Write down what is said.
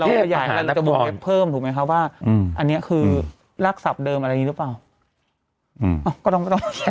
แล้วก็จะวงเล็บเพิ่มถูกไหมเหมือนว่าอันนี้คือลากศัพท์เดิมอะไรอย่างงี้หรือเปล่า